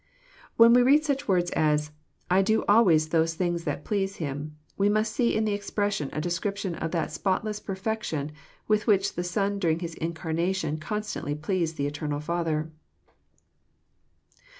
When we read such words as << I do always those things that please Him," we must see in the expression a description of that spotless perfection with which the Son during His incarna tion constantly pleased the eternal Father.